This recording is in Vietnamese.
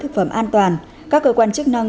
thực phẩm an toàn các cơ quan chức năng